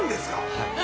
はい。